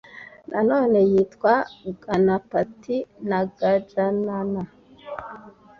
nanone yitwa ganapati na gajanana